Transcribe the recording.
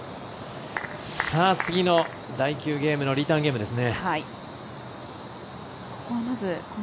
次の第９ゲームのリターンゲームですね。